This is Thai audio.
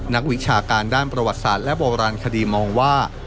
นักวิชาการด้านประวัติศาสตร์และโบราณคดีมองว่า